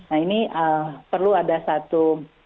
nah ini perlu ada satu